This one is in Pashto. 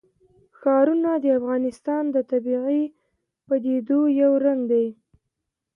ښارونه د افغانستان د طبیعي پدیدو یو رنګ دی.